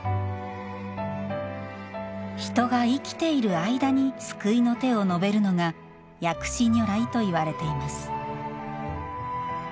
人が生きている間に救いの手を伸べるのが薬師如来と言われています。